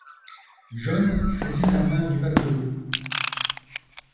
John saisit la main du matelot.